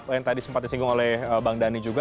yang tadi sempat disinggung oleh bang dhani juga